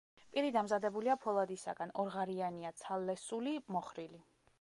პირი დამზადებულია ფოლადისაგან, ორღარიანია, ცალლესული, მოხრილი.